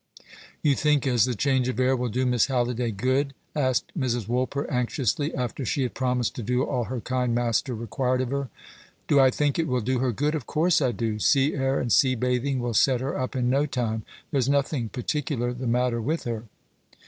"You think as the change of air will do Miss Halliday good?" asked Mrs. Woolper anxiously, after she had promised to do all her kind master required of her. "Do I think it will do her good? Of course I do. Sea air and sea bathing will set her up in no time; there's nothing particular the matter with her."